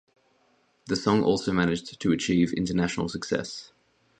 The song also managed to achieve international success.